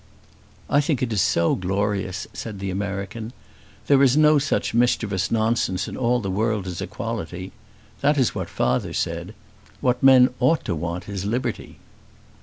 "I think it is so glorious," said the American. "There is no such mischievous nonsense in all the world as equality. That is what father says. What men ought to want is liberty."